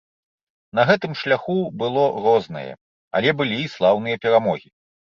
На гэтым шляху было рознае, але былі і слаўныя перамогі.